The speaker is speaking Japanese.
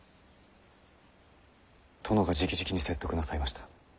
殿がじきじきに説得なさいました。